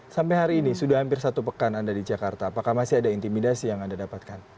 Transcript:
sampai hari ini sudah hampir satu pekan anda di jakarta apakah masih ada intimidasi yang anda dapatkan